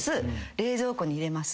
冷蔵庫に入れます。